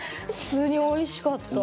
普通においしかった。